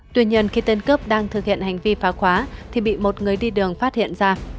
tuy nhiên khi tên cướp đang thực hiện hành vi phá khóa thì bị một người đi đường phát hiện ra